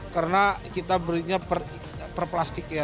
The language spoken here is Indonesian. karena kita berinya per plastik ya